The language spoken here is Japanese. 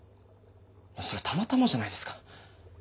それたまたまじゃないですか？